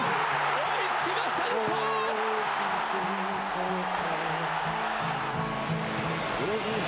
追いつきました、日本！